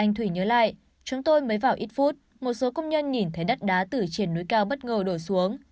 anh thủy nhớ lại chúng tôi mới vào ít phút một số công nhân nhìn thấy đất đá từ trên núi cao bất ngờ đổ xuống